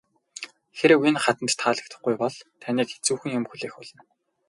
Хэрэв энэ хатанд таалагдахгүй бол таныг хэцүүхэн юм хүлээх болно.